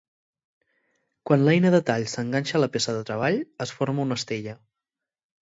Quan l'eina de tall s'enganxa a la peça de treball, es forma una estella.